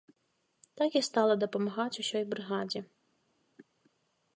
Так і стала дапамагаць усёй брыгадзе.